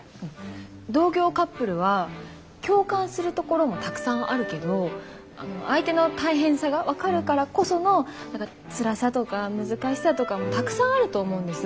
同業カップルは共感するところもたくさんあるけど相手の大変さが分かるからこその何かつらさとか難しさとかもたくさんあると思うんです。